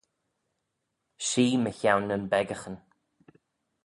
Shee mychione nyn beccaghyn.